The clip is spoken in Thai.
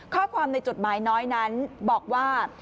ข้อความในจดหมายน้อยนั้นบอกว่า